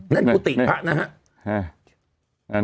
นี่นั่นพุติพระนะฮะ